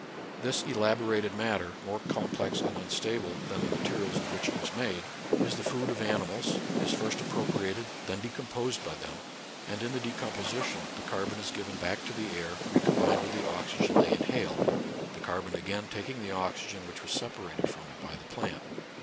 This elaborated matter, more com plex and unstable than the materials of which it was made, is the food of animals, is first ap propriated, then decomposed by them, and in the decomposition the carbon is given back to the air recombined with the oxygen they inhale, the carbon again taking the oxygen which was separated from it by the plant.